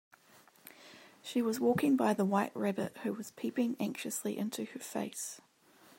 She was walking by the White Rabbit, who was peeping anxiously into her face.